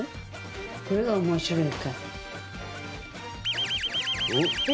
これが面白いか。